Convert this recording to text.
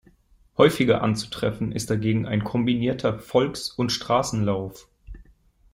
Häufiger anzutreffen ist dagegen ein kombinierter "Volks- und Straßenlauf.